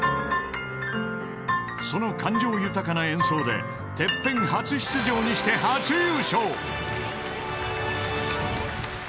［その感情豊かな演奏でＴＥＰＰＥＮ初出場にして初優勝］